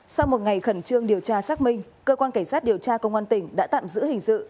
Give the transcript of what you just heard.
sau một ngày khẩn trương điều tra xác minh cơ quan cảnh sát điều tra công an tỉnh đã tạm giữ hình sự